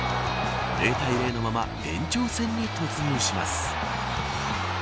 ０対０のまま延長戦に突入します。